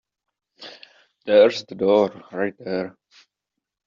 There's the door right there.